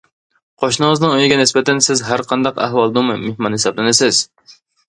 قوشنىڭىزنىڭ ئۆيىگە نىسبەتەن، سىز ھەرقانداق ئەھۋالدىمۇ مېھمان ھېسابلىنىسىز.